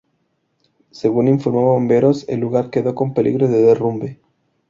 Según informó bomberos, el lugar quedó con peligro de derrumbe.